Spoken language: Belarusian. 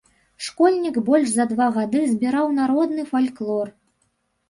Школьнік больш за два гады збіраў народны фальклор.